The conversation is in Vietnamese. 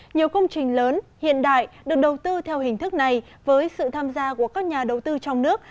nhiều công trình lớn hiện đại được đầu tư theo hình thức này với sự tham gia của các nhà đầu tư trong nước